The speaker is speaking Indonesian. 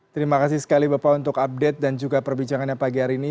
terima kasih sekali bapak untuk update dan juga perbincangannya pagi hari ini